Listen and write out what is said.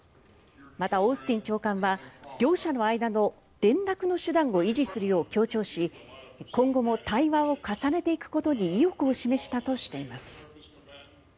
また、オースティン長官は両者の間の連絡の手段を維持するよう強調し今後も対話を重ねていくことに意欲を示したとしています。